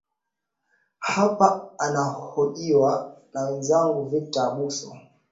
hapa anahojiwa na mwenzangu victor abuso